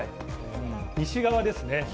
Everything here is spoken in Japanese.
西側ですね。